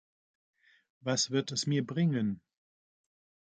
Was wird es mir bringen?